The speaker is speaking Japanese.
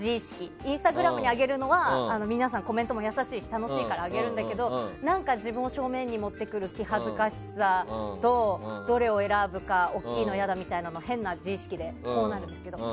インスタグラムに上げるのは皆さんコメントも優しいし楽しいから上げるんだけど自分を正面に持ってくる気恥ずかしさと、どれを選ぶか大きいの嫌だみたいな変な自意識でこうなるんですけど。